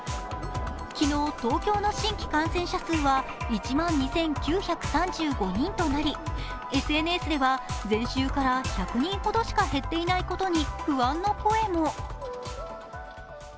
昨日、東京の新規感染者数は１万２９３５人となりＳＮＳでは、先週から１００人ほどしか減っていないことに不安の声も。